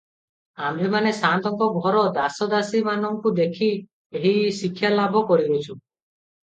ଆମ୍ଭେମାନେ ସାଆନ୍ତଙ୍କ ଘର ଦାସ ଦାସୀ ମାନଙ୍କୁ ଦେଖି ଏହି ଶିକ୍ଷା ଲାଭ କରିଅଛୁଁ ।